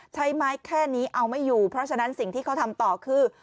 ใช้ไม้แค่นี้เอาไม่อยู่เพราะฉะนั้นสิ่งที่เขาทำต่อคือ